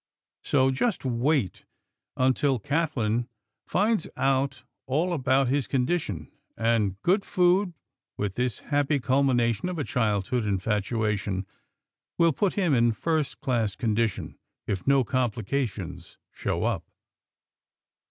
So just wait until Kathlyn finds out all about his condition; and good food, with this happy culmination of a childhood infatuation, will put him in first class condition, if no complications show up."